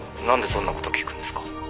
なんでそんな事聞くんですか？」